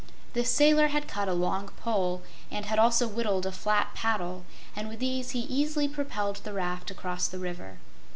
The sailor had cut a long pole, and had also whittled a flat paddle, and with these he easily propelled the raft across the river.